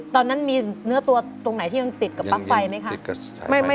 ตอนนั้นมีเนื้อตัวตรงไหนที่มันติดกับปลั๊กไฟไหมคะ